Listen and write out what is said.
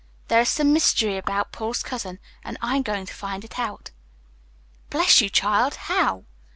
There is some mystery about Paul's cousin, and I'm going to find it out." "Bless you, child, how?"